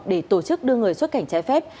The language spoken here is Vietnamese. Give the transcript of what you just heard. để tổ chức đưa người xuất cảnh trái phép